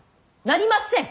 なりません！